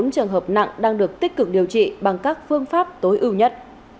bốn trường hợp nặng đang được tích cực điều trị bằng các phương pháp tối ưu nhất